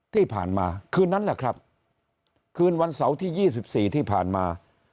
ที่ผ่านมาคืนนั้นแหละครับคืนวันเสาร์ที่๒๔ที่ผ่านมา